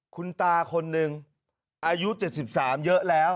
คุณตาคนหนึ่งอายุ๗๓เยอะแล้ว